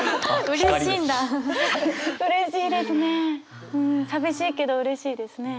うん寂しいけどうれしいですね。